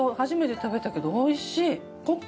初めて食べたけどおいしい。